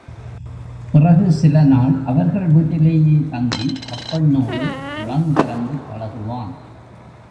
பிறகு சில நாள் அவர்கள் வீட்டிலேயே தங்கி, அப்பெண்ணோடு உளங்கலந்து பழகுவான்.